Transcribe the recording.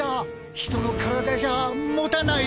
人の体じゃ持たない！